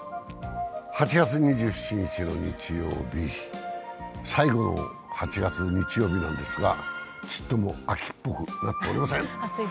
８月２７日の日曜日、最後の８月の日曜日なんですがちっとも秋っぽくなっておりません。